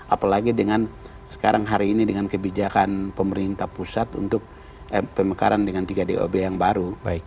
apalagi dengan sekarang hari ini dengan kebijakan pemerintah pusat untuk pemekaran dengan tiga dob yang baru